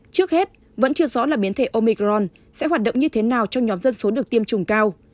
trước hết vẫn chưa rõ là biến thể omicron sẽ hoạt động như thế nào trong nhóm dân số được tiêm chủng cao